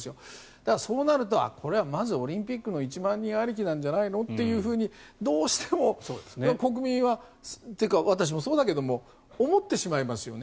だから、そうなるとこれはまずオリンピックの１万人ありきなんじゃないのっていうふうに、どうしても国民は、私もそうだけども思ってしまいますよね。